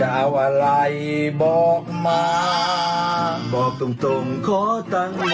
ฮัลโหล